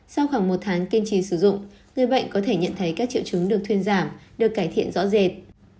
sau khoảng một tháng kiên trì sử dụng người bệnh có thể nhận thấy các triệu chứng được thuyên giảm được cải thiện rõ rệt